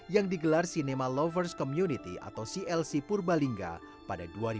yang digelar cinema lovers community atau clc purbalingga pada dua ribu dua puluh